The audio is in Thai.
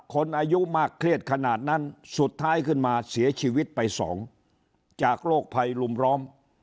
อายุมากเครียดขนาดนั้นสุดท้ายขึ้นมาเสียชีวิตไปสองจากโรคภัยรุมร้อม